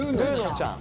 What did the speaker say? ちゃん。